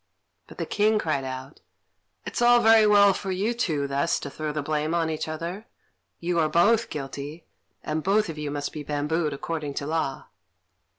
But the King cried out, "It's all very well for you two thus to throw the blame on each other; you are both guilty, and both of you must be bambooed according to law."